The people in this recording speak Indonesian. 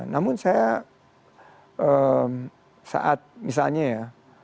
namun saya saat misalnya ya